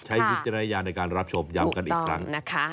ใช้วิจารณญาณในการรับชมเยาว์กันอีกครั้ง